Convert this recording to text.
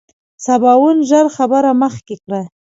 سباوون ژر خبره مخکې کړه.